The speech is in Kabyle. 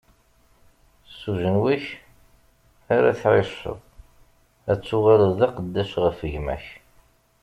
S ujenwi-k ara tɛiceḍ, ad tuɣaleḍ d aqeddac ɣef gma-k.